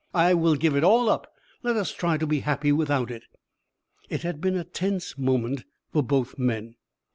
"I will give it all up. Let us try to be happy without it." It had been a tense moment for both men.